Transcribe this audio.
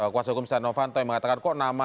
kuasa hukum stiano vanto yang mengatakan kok nama